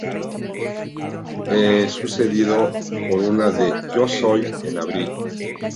Es sucedido por una de "Yo soy" en abril.